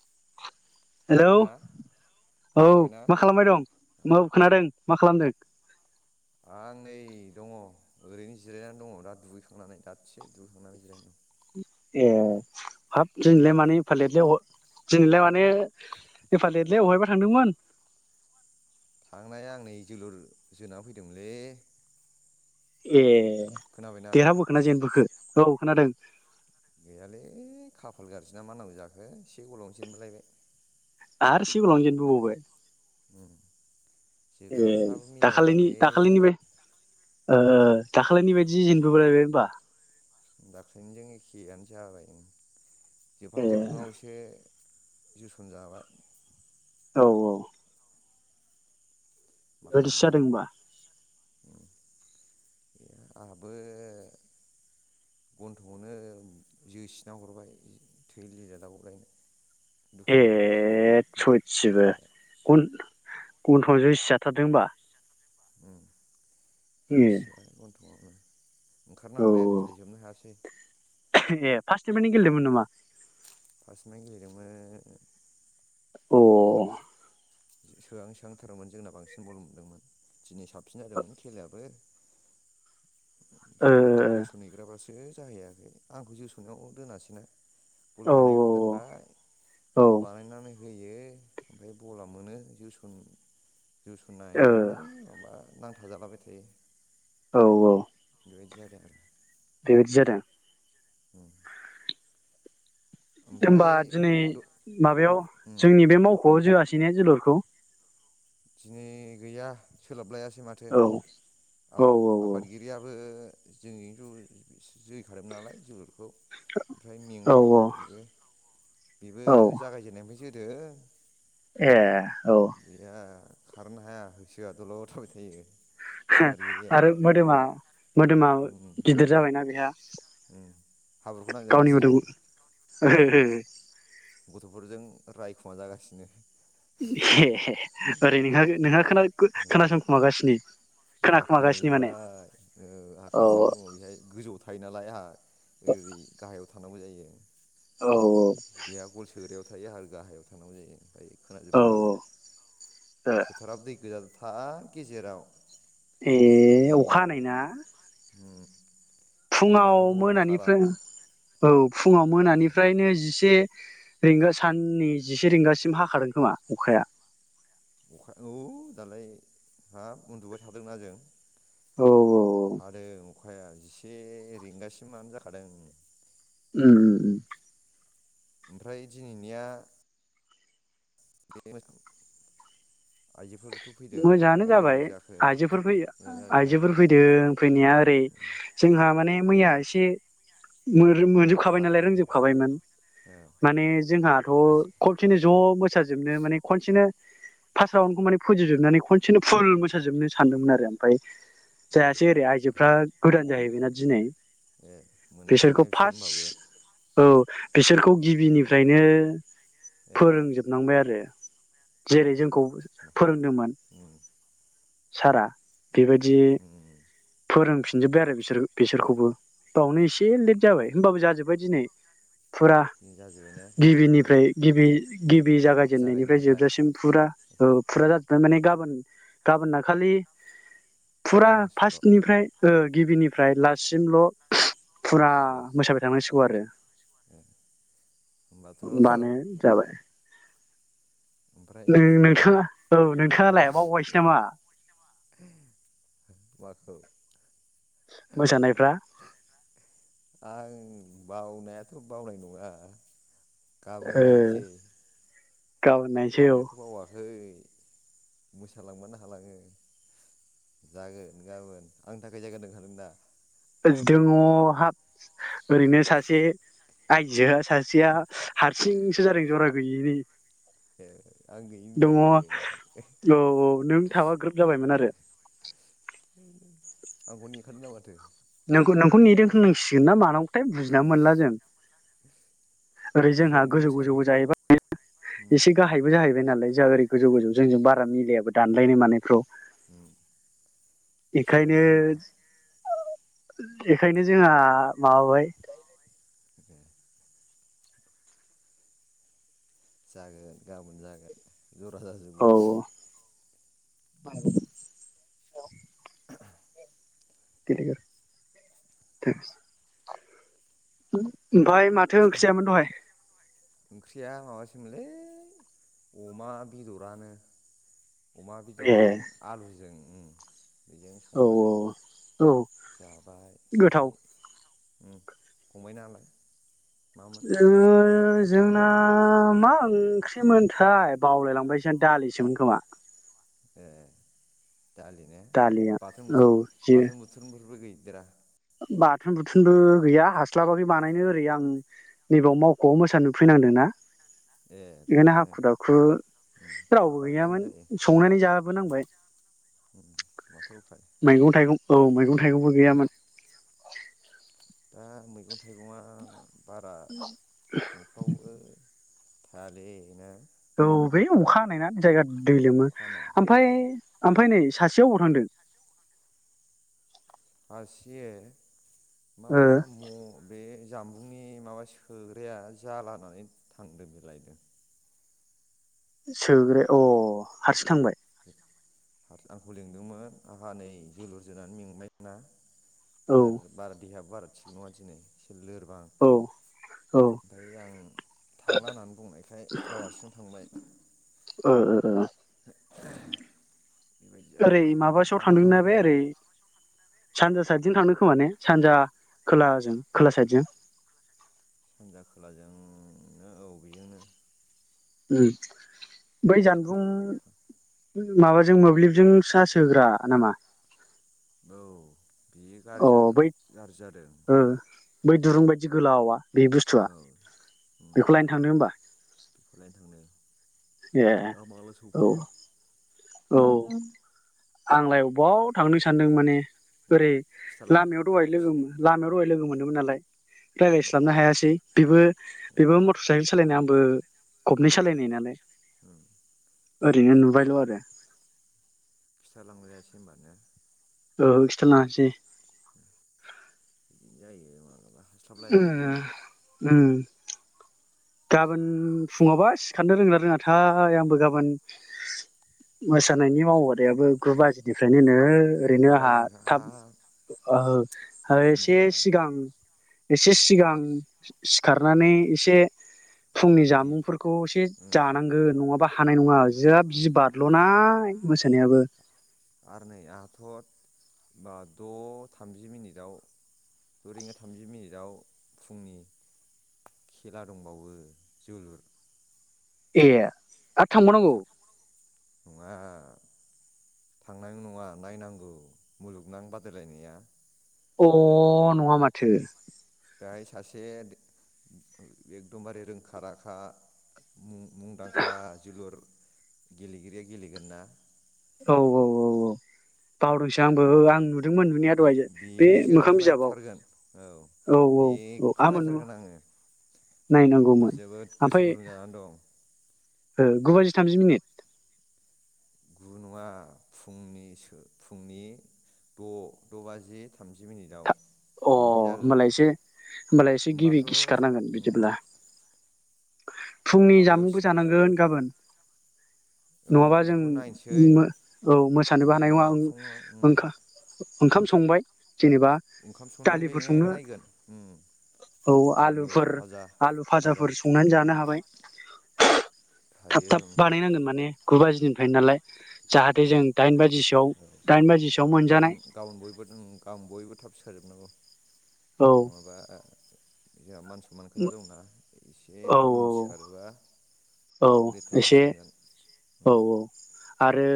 [inaudible] Hello खोनाबायना औ खोनाबायना मा खालामबाय दं मौ खोनादों। मा खालामदों? आं नै दङ'ओरैनो जिरायनानै दङ' दास्सो दुगैखांनानै जिरायनानै दं। ए हाब दिनैलाय नोंथाङालाय मानो एफा लेतलै ह दिनैलाय मानो एफा लेटलै अहायबा थांदोंमोन? थांनाया आं नै जोलुर जोना फैदोंमोनलै। ए खोनाबायना देरहाबोखो ना जेनबोखो? औ खोनादों। गैयालै खाफाल गाज्रि ना मा होनांगौ जाखो से गलावनो जेनबोलायबाय। आरो सेगलावनो जेनबोबावबाय? उम। ए दाखालिनि दाखालिनि बादि ओ दाखालिनि बायदि जेनबोबायलबाय होनबा? दाख्लैनिजों एखेयानो जाबाय। ए जोबहां जोबहांआवसो जोसन जाबाय। औ औ बेबायदिसो जादों होमबा? उ गैया आंहाबो गन्थंआवनो जोसिना हरबाय थै लिला ला गलायनाय ए सयथिबो खेलाया गन गन्थ'आव जोसि जाथारदों होनबा? उम ए जोसिबाय गन्थंआवनो औ ओंखारनांबाय आं गेलेजोबनो हायासै। ए फार्स्ट निफायनो गेलेदोंमोन नामा? फासनिफाय गेलेदोंमोन अ सोहां सोहांथारमोन जोंना बांसिन बल' मोन्दोंमोन दिनै साब [unintelligible] फिन जादोंमोन खेलायाबो। ओमफ्राय जोस'न हैग्राबास [unintelligible] जाहैयाखै आंखौ जोसननायाव दोनासैनो औ गल बानायग्रायाव दोनबाय गल औ बानायनानै होयो ओमफाय बला मोनो जोसन औ जोसननायावनो माबा नांथाजालाबाय थायो। औ औ बेबायदि जादों [unintelligible] बेबादि जादों उम ओमफ्राय होमबा दिनै द माबायाव उम जोंनि बे मावख'आव जोआस [unintelligible] जोलुरखौ दिनै गैया सोलाबलायास [unintelligible] माथो औ औ आफा आफादगिरियाबो जों [unintelligible] जोहैखादों नालाय जोल खौ ओमफ्राय औ मेंबाय बेबो बेबो औ जागायजेननायनिफ्राय जोदों ए औ गैया खारनो हाया होसोआ दलद थाबाय थायो। आफादगिरिया आरो मोदोमा मोदोमा गिदिर जाबायना बेहा उ हाब्रुखौ नांजानो गावनि मोदोम गियो उ गथ'फोरजों रायखुमा जागासिनो ए ओरै नोंहा नोंहा खोनाखु खोनासंखुमागासिनो आंहा खोनाखुमागासिनो माने खोनाजोब्बाय आंहा औ खाथियावनो दङ बेहाय गोजौआव थायो नालाय आहा ओरै गाहायाव थानांगौ जायो। औ बे आगल सोग्रायाव थायो आरो गाहायाव थानांगौ जायो। औ खोनाजोब्बाय औ फोथाराबो दै गोजा हा गेजेराव ए अखा दैयाव हानायना फुङाव दैयानो बल ओंखारा मोनानिफ्राय औ फुङाव मोनानिफ्रायनो जिसे रिंगा साननि जिसे रिंगासिम हाखादों खोमा अखाया अखा औ दालाय हाब उन्दुबाय थादोंना जों उम हादों अखाया जिसे रिंगासिमानो जाखादों उम उम ओमफ्राय दिनैनिया [inaudible] आइजोफोर मोजाङानो जाबाय आइजोफोर फै मोजां जादों ने आइजोफोर फैदों फैनाया ओरै जोंहा माने मैया एसे मोन मोनजोबखाबाय नालाय हाखानाय औ रोंजोबखाबायमोन माने जोंहाथ आइजो खनसेनो ज मोसाजोबनो माने खनसेनो फासाव आंखौ माने फोजोबजोबनानै खनसेनो फुल मोसाजोबनो सानदोंमोन आरो ओमफाय ए जायासै ओरै आयजोफ्रा ओमफ्राय गोदान जाहैबाय ना दिनै ए मोनाखैने बिसोरखौ बिसोर फास होनबाबो औ बिसोरखौ गिबिनिफ्रायनो ए फोरोंजोबनांबाय आरो जेरै उम जोंखौ उम फोरोंदोंमोन उम सारा बेबायदि बिदिनो फोरोंफिनजोब्बाय आरो बिसोर-बिसोरखौबो बावनो एसे लेट जाबाय होमबाबो जोंहा जोब्बाय दिनै। फुरा जाजोब्बाय ने होमबाथ' उम गिबिनिफ्राय गिबि गिबि जागायजेननायनिफ्राय जागायनायनिफ्राय जोबजासिम फुरा औ फुरा जाजोब्बाय माने गाबोन गाबोनना खालि फुरा फाहामनांसिगौल' फासनिफ्राय ओ गिबिनिफ्राय लाससिमल'- फुरा जोबजास मोसाबाय थांनांसिगौ आरो ए होमबाथ' होनबानो जाबाय। ओमफ्राय नों नोंथाङा औ नोंथांङालाय बावबायसो नामा? औ। मोसानायफ्रा? आं बावनायाथ' बावनाय नङा। गाबोन ओ नायसै। गाबोन नायनोसै औ बावनायाथ' बावाखै। मोसालांबानो हालाङो जागोन गाबोन आंनि थाखाय जायगा दोनखादों दा? दङ हाब ओरैनो सासे आइजोआ सासेया हारसिंसो जादों जरा गैयिनि। ए आं दङ गैयिब्रा औ बियो औ नों थाबा ग्रोब जाबायमोन आरो। आंखौ नेंखारदों दां माथो। नोंखौ नेदों होननांसिगोन ना मानांगौथाय बुजिना मोनला जों। ओरै जोंहा दस्राजोंबो गोजौ गोजौ मोसाफा जायोबा उम एसे गाहायबो जाहैबाय। जोंनालाय जा ओरै गोजौ गोजौ उम जोंजों बारा मिलायाबो दानलायनो मानायफ्राव। उम बिदि जादों इखायनो। नङा होमबा बेखायनो जोंहा माबाबाय। [inaudible] जागोन गाबोन जागोन। जरा औ जाजोबगोन। [unintelligible] [inaudible] ओमफाय माथो ओंख्रि जायामोन दहाय? ओंख्रिया माबासोमोनलै अमा बेदरानो। अमा ए बेदरजों आलुजों। उम बेजों औ औ संबाय। औ जाबाय ओमफ्राय गोथाव ओ फंबाय नालाय [unintelligible] ओ मा ओंख्रिमोनथाय बावलायलांबायसो दालिसोमोन खोमा। एह दालिनो दालिया बाथोन औ बुथन जे बाथोन बुथोरफोरबो गैया। बिराद बाथोन बुथोनबो गैया हास्लाबाखै बानायनो ओरै आं नैबेयाव मावख'आव मोसानो फैनांदोंना। ए बेखायनो थाबनो हाखु दाखु उम रावबो माबा बिदिनो गैयामोन जायो संनानै उम जाबोनांबाय उम माथो उफाय मैगं थाइगं। औ मैगं थाइगंबो गैयामोन। दा मैगं थाइगंआ [unintelligible] फारियैनो औ बे अखा हानायना जायगा दै लोमो अखा हानाय ओमफ्राय ओमफ्राय नै सासेया अबाव थांदों। सासे ओ माबा म-बे जामबुंनि माबा सोग्राया जाला होननानै थांदों बे लायनो। सोग्रा अ हारसिं थांबाय। आंखौ लिंदोंमोन आंहा नै जोलुर जोनानै मेंनायना। औ आर बार देहायाबो बारा थिक नङा दिनै। एसे लोरबां औ ओ ओमफ्राय आं थांला होननानै बुंनायखाय गाव हारसिं थांबाय। ओ ओ ओ [inaudible] ओरै जादों आरो माबासोआव दा माला थांदोंना बे फैयो ओरै। सानजा साइदजों थांदों खोमा ने सानजा खोला ओजों खोला साइदजों। सानजा खोलाजोंनो औ बेजोंनो। उह बै जानबुं माबाजों मोब्लिबजों सार्स होग्रा नामा? औ। बेयो अ गाज्रि जागोन बै गाज्रि जादों। ओ बै दुरुं बायदि गोलावा। बे औ बुस्थुआ उम बेखौ लायनो थांदों होमबा। बेखौ लायनो थांदों ए दा माब्ला औ सफैयो। औ आंलाय अबाव थांदो सानदों माने। उम ओरै खिथाला लामायाव दहाय लोगो लामायाव दहाय लोगो मोनदोमोन नालाय उम रायज्लायस्लाबनो हायासै उम बेबो-बेबो मटर साइकेल सालायनाय आंबो खबनै उम सालाय नालाय। उम ओरैनो नुबायल' आरो। खिथालांलायासै होमबा ने ओहो खिथालांयासै। बिदिनो जायो मालाबा। ओम उम। गाबोन फुङावबा सिखारनो रोंना रोङाथाय आंबो गाबोन मोसानायनि माव बादायाबो गु बाजिनिफ्रायनो गु ओरैनो आंहा बाजिनिफ्राय थाब हाब ओहो आरो इसे नङा सिगां एसे सिगां सिखारनानै एसे औ फुंनि रेडि जामुंफोरखौ एसे ओं जा बाथ जानांगोन नङाबा हानाय नङा जाब जि बारल' नाय मोसानायाबो। आरो नै आहाथ' बा द' थामजि मिनिटआव द' रिंगा थामजि मिनिटआव फुंनि खेला दंबावो जोलुर। ए थांबावनांगौ नङा। थांनाय नङा नायनांगौ मुलुगनां बादायलायनाया। अ नङा माथो। बेहाय सासे एकदम बारे रोंखा राखा मुं मुंदांखा जोलुर। गेलेगिरिया गेलेगोन ना। औ औ औ औ बावदोंसै आंबो आं। नुदोंमोन नुनाया बे दहाय बे बेनि मोखां जोनायखौ बिजाबाव नायथारगोन औ औ औ औ बेखौ आंबो नु नायथारगोन आङो नायनांगौमोन जोबोद गोसो ओमफ्राय गुदुं जानानै दं। गु बाजि थामजि मिनिट। गु नङा फुंनिसो फुंनि द' द' बाजि थामजि था मिनिटाव। अ होमबालाय एसे होमबालाय एसे होमबाथ' गिबि सिखारनांगोन उम बिदिब्ला। फुंनि माबायाव जामुंबो सिखार जानांगोन गाबोन औ नङाबा जों बेखौ नायनोसै औ मोसानोबो बे हानाय नङा ओं। फुङाव उम ओंखाम संबाय जेनेबा। ओंखाम संनानै बे दालिफोर संनो नायगोन उम औ आलु आलुफोर फाजा आलु फाजा फाजाफोर संनानै जानो हाबाय। थाब हायो थाब बानायनांगोन माने। गु बाजिनिफ्राय नालाय। जाहाथे औ जों दाइन बाजिसोआव दाइन बाजिसोआव मोनजानाय। गाबोन सिखार जोबनांगौ। औ नङाबा जोंहा मान सनमान खोथा दंना एसे औ उन सिखारोबा औ लेथ्राथार एसे सानगोन। औ औ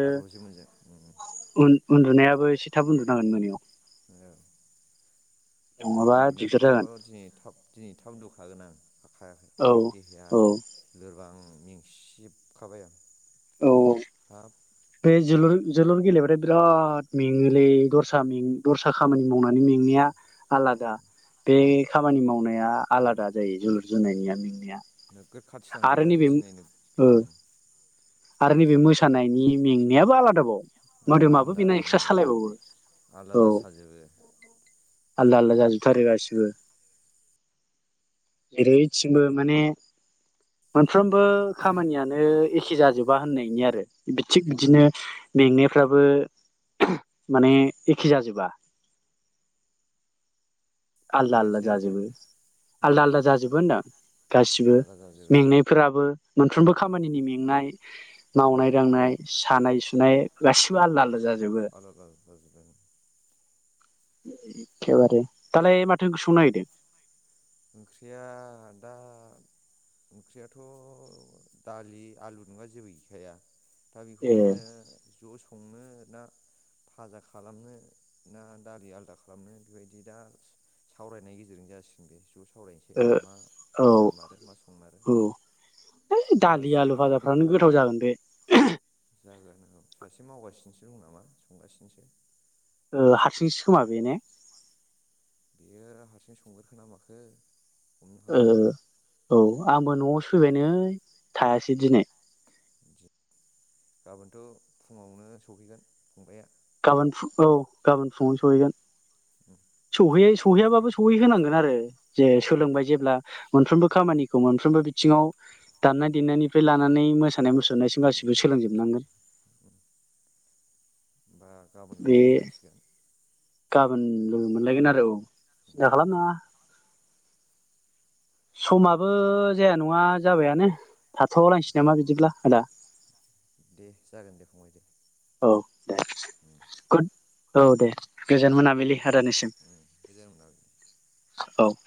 आरो रजि मोनजों उन्दुनायाबो एसे थाब उन्दुनांगोन मोनायाव। [unintelligible] नङाबा उन्दुनायाथ' दिगदार जागोन दिनै थाब दिनै थाब उनदुखागोन आं हाखायाखै औ देहाया औ लोरबां मेंसिजोबखाबाय आं औ हाब बे जोलुर जोलुर गेलेबाथाय बिराद मेङोलै दस्रा में दस्रा खामानि मावनानै मेंनाया आलादा बे खामानि मावनाय। नाया आलादा जायो जोलुर जोनायनियानो नोगोद खाथि नांदों दिनै ओ ओम आरो नैबे मोसानायनि मेंनायाबो आलादाबाव मोदोमाबो आलदा बेना इक्सट्रा बेनाबो सालायबावो आलदा औ आलदा साजोबो आलदा आलदा जाजोबथारो गासिबो जेरैथिंबो माने साफ्रोमबो खामानियानो ए जाजोबा होननायनि आरो थिक बिदिनो मेंनायफ्राबो माने एखे जाजोबा आलदा आलदा खोनायासै जाजोबो आलदा आलदा जाजोबो होनदां गासिबो आलदा आलदा जाजोबो मेंनायफोराबो मोनफ्रोमबो खामानिनि मेंनाय मावनाय दांनाय सानाय सुनाय नाय गासिबो आलदा आलदा जाजोबो [inaudible] आलदा आलदा जाजोबो एखेबारे दालाय माथो ओंख्रि संनो नागिरदों? ओंख्रिया दा ओंख्रियाथ' दालि आलु नङा जेबो गैखाया दा ए बेखौनो ज' संनो ना फाजा खालामनो ना दालि आलदा खालामनो बेबायदि दा सावरायनायनि गेजेरजों जासिगोन बे ज' सावरायनोसै मा औ जामारो मा संमारो औ ओइ दालि सासे आलु मा फाजाफ्रानो गोथाव जागोन बे जागोन नांगौ सासे मावगासिनोसो दं नामा संगासिनोसो ओ हारसिंसो खोमा बे ने? [inaudible] हमनो ओ हाला औ आंबो न'आवसो फैबाय नै थायासै दिनै [inaudible] गाबोन औ गाबोन फुङाव सहैगोन उम सहै फुङावनो सफैनोसै सहैयाबाबो सहै होनांगोन आरो जे औ सोलोंबाय जेब्ला मोनफ्रोमबो उम खामानिखौ मोनफ्रोमबो बिदि बिथिङाव दामनाय उम देनायनिफ्राय लानानै मोसानाय मुसुर नायसिम गासिबो सोलोंजोबनांगोन उम बे [inaudible] गाबोन लोगो मोनलायगोन आरो औ सिन्था खालामनाङा समाबो जाया नङा जाबायानो थाथ' उम लायसै नामा बिदिब्ला आदा दे जागोन दे फंबाय दे औ दे उम गोद औ दे गोजोन मोनाबिलि आदानिसिम उम गोजोन मोनाबिलि औ [inaudible]